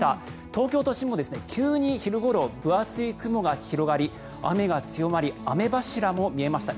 東京都心も急に昼ごろ分厚い雲が広がり雨が強まり、雨柱も見えました。